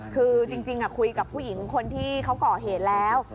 คือจริงคุยกับผู้หญิงคนที่เขาก่อเหตุแล้ว